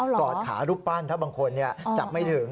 กอดขารูปปั้นถ้าบางคนจับไม่ถึง